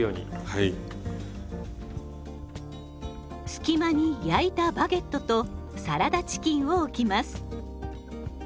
隙間に焼いたバゲットとサラダチキンを置きます。